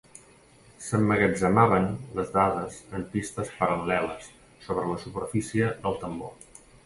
S'emmagatzemaven les dades en pistes paral·leles sobre la superfície del tambor.